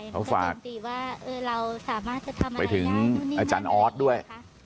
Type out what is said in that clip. เขาฝากไปถึงอาจารย์ออสด้วย